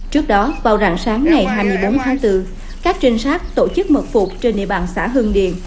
trước đó vào rạng sáng ngày hai mươi bốn tháng bốn các trinh sát tổ chức mật phục trên địa bàn xã hương điền